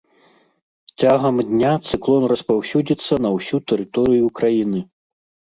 Цягам дня цыклон распаўсюдзіцца на ўсю тэрыторыю краіны.